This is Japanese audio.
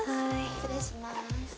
失礼します。